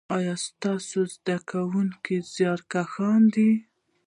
ایا ستاسو زده کونکي زیارکښ دي؟